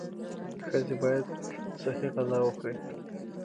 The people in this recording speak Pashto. ښځې باید صحي غذا وخوري.